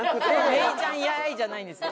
「メイちゃんやーい」じゃないんですよ。